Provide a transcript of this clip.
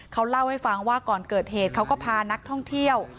เขาเล่าให้ฟังว่าก่อนเกิดเหตุเขาก็พานักท่องเที่ยว